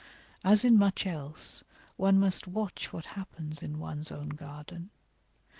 As in much else, one must watch what happens in one's own garden.